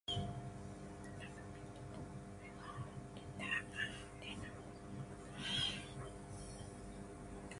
Not audible